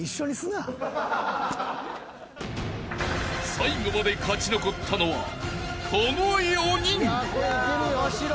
［最後まで勝ち残ったのはこの４人］